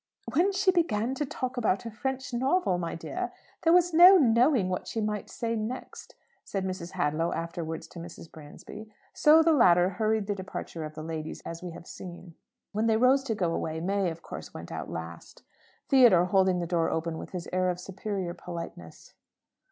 "When she began to talk about a French novel, my dear, there was no knowing what she might say next," said Mrs. Hadlow afterwards to Mrs. Bransby. So the latter hurried the departure of the ladies as we have seen. When they rose to go away, May, of course, went out last; Theodore holding the door open with his air of superior politeness.